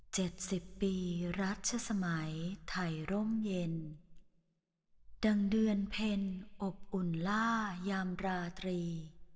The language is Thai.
สิบปีรัชสมัยไทยร่มเย็นดังเดือนเพ็ญอบอุ่นล่ายามราตรี